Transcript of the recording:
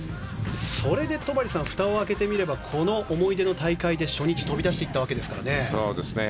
それで戸張さんふたを開けてみればこの思い出の大会で初日、飛び出していったわけですからね。